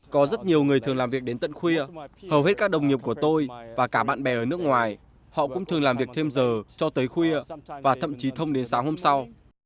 có rất nhiều người thường làm việc đến tận khuya hầu hết các đồng nghiệp của tôi và cả bạn bè ở nước ngoài họ cũng thường làm việc thêm giờ cho tới khuya và thậm chí thông đến sáng hôm sau